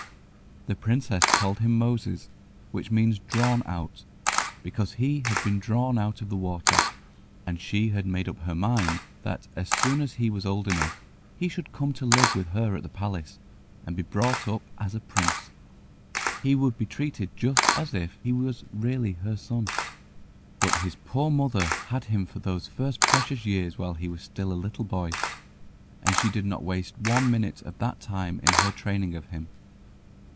The princess called him Moses, which means "drawn out," because he had been drawn out of the water, and she had made up her mind that as soon as he was old enough he should come to live with her at the palace, and be brought up as a prince. He would be treated just as if he was really her son. [Illustration: She taught him about God.] But his poor mother had him for those first precious years while he was still a little boy, and she did not waste one minute of that time in her training of him.